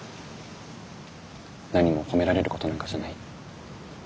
何も褒められることなんかじゃない。